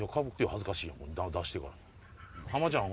恥ずかしい出してからに。